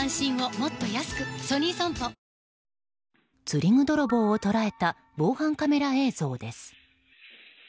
釣り具泥棒を捉えた防犯カメラ映像です。